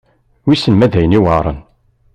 Wissen ma d ayen yuεren.